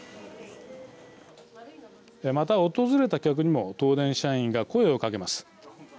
また、訪れた客にも東電社員が声をかけます。